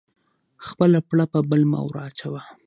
خپله پړه په بل مه ور اچوه